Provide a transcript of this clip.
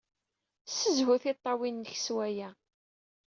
Ssezhu tiṭṭawin-nnek s waya.